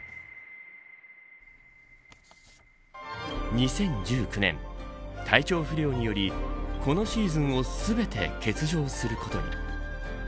２０１９年体調不良によりこのシーズンを全て欠場することに。